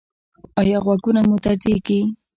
ایا غوږونه مو دردیږي؟